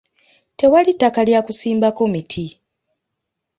Tewali ttaka lya kusimbako miti.